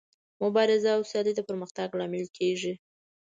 مبارزه او سیالي د پرمختګ لامل کیږي.